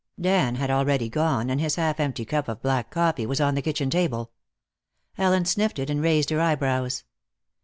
Dan had already gone, and his half empty cup of black coffee was on the kitchen table. Ellen sniffed it and raised her eyebrows.